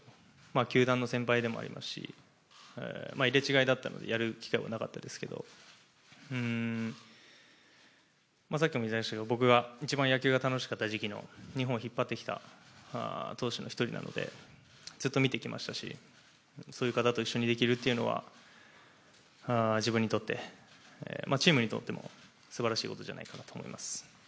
球団の先輩でもありますし、入れ違いだったのでやる機会はなかったですけど僕が一番野球が楽しかった時期の日本を引っ張ってきた投手の１人ですのでずっと見てきましたし、そういう方と一緒にできるというのは、自分にとっても、チームにとってもすばらしいことじゃないかなと思います。